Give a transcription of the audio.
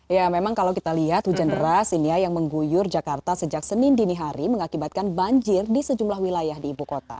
ya memang kalau kita lihat hujan deras ini ya yang mengguyur jakarta sejak senin dini hari mengakibatkan banjir di sejumlah wilayah di ibu kota